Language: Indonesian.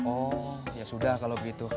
oh ya sudah kalau begitu